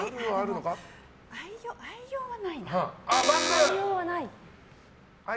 愛用はないな。